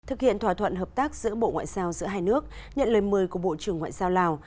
thực hiện thỏa thuận hợp tác giữa bộ ngoại giao giữa hai nước nhận lời mời của bộ trưởng ngoại giao lào